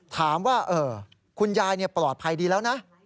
ถามว่าคุณยายปลอดภัยดีแล้วนะ